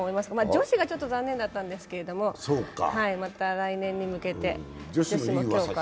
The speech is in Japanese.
女子がちょっと残念だったんですけれども、また来年に向けて、女子も強化。